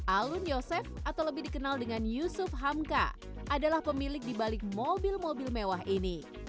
alun yosef atau lebih dikenal dengan yusuf hamka adalah pemilik di balik mobil mobil mewah ini